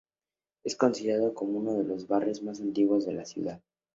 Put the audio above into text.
Es considerado como uno de los barrios más antiguos de la ciudad.